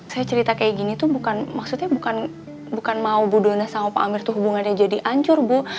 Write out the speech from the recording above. saya cerita kayak gini tuh bukan maksudnya bukan mau bu dona sama pak amir tuh hubungannya jadi ancur bu